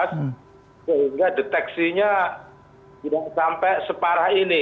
sehingga deteksinya tidak sampai separah ini